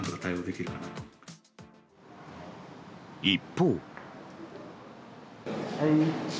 一方。